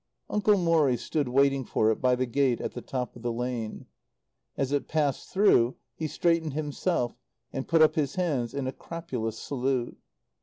Uncle Morrie stood waiting for it by the gate at the top of the lane. As it passed through he straightened himself and put up his hand in a crapulous salute.